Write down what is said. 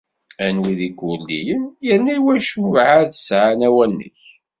Anwi d Ikurdiyen, yerna iwacu ur εad sεin awanek?